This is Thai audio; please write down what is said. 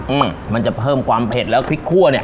อืมมันจะเพิ่มความเผ็ดแล้วพริกคั่วเนี้ย